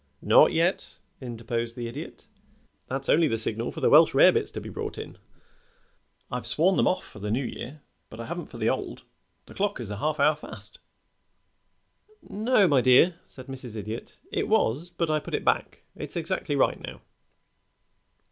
"Not yet," interposed the Idiot. "That's only a signal for the Welsh rarebits to be brought in. I've sworn them off for the New Year, but I haven't for the old. The clock is a half hour fast." "No, my dear," said Mrs. Idiot. "It was, but I put it back. It's exactly right now."